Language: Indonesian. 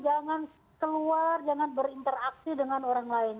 jangan keluar jangan berinteraksi dengan orang lain